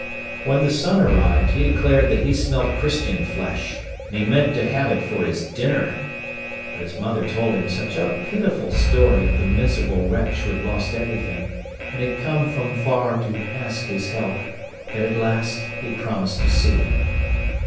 When the Sun arrived, he declared that he smelt Christian flesh, and he meant to have it for his dinner. But his mother told him such a pitiful story of the miserable wretch who had lost everything, and had come from far to ask his help, that at last he promised to see him.